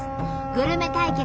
グルメ対決